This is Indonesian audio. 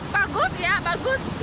bagus ya bagus